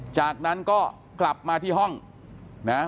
จากนั้นก็กลับมาที่ห้องนะ